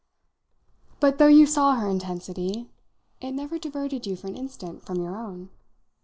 But though you saw her intensity, it never diverted you for an instant from your own."